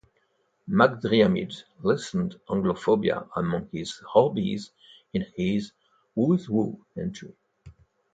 MacDiarmid listed Anglophobia among his hobbies in his "Who's Who" entry.